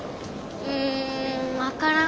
うん分からん。